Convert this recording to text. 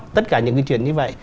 tất cả những cái chuyện như vậy